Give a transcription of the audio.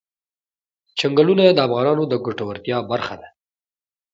چنګلونه د افغانانو د ګټورتیا برخه ده.